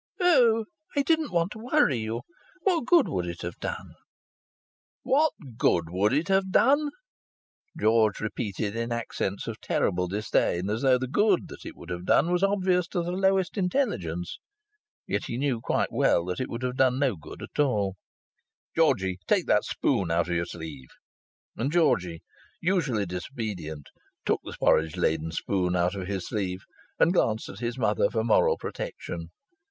"Oh, I didn't want to worry you. What good would it have done?" "What good would it have done!" George repeated in accents of terrible disdain, as though the good that it would have done was obvious to the lowest intelligence. (Yet he knew quite well that it would have done no good at all.) "Georgie, take that spoon out of your sleeve." And Georgie, usually disobedient, took the porridge laden spoon out of his sleeve and glanced at his mother for moral protection.